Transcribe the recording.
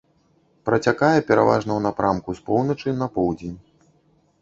Працякае пераважна ў напрамку з поўначы на поўдзень.